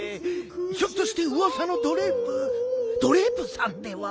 ひょっとしてうわさのドレープドレープさんでは？